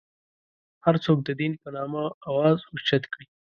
هر څوک د دین په نامه اواز اوچت کړي.